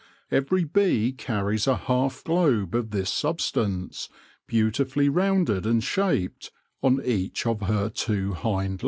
Every bee carries a half globe of this substance, beautifully rounded and shaped, on each of her two hind legs.